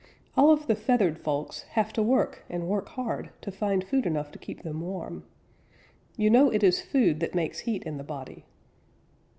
All of the feathered folks have to work and work hard to find food enough to keep them warm. You know it is food that makes heat in the body.